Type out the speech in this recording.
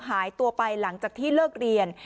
หายตัวไปหลังจากที่เลิกเรียน